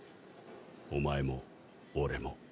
お前も俺も。